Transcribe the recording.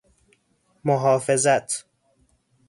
محافظت